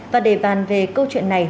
và để bàn về câu chuyện này